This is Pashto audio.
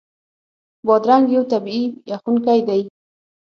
بادرنګ یو طبعي یخونکی دی.